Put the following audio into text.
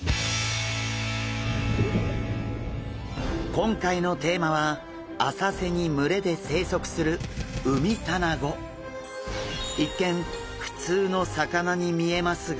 今回のテーマは浅瀬に群れで生息する一見普通の魚に見えますが。